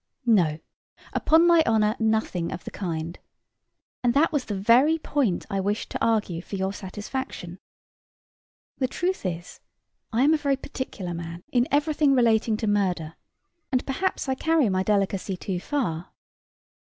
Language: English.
No, upon my honor nothing of the kind. And that was the very point I wished to argue for your satisfaction. The truth is, I am a very particular man in everything relating to murder; and perhaps I carry my delicacy too far.